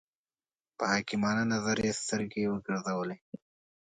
په حکیمانه نظر یې سترګې وګرځولې.